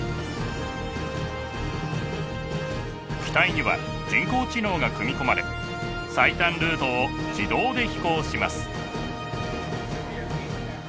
機体には人工知能が組み込まれ最短ルートを自動で飛行します。